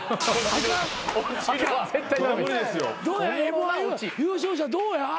Ｍ−１優勝者どうや？